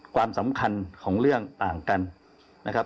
ความสำคัญของเรื่องต่างกันนะครับ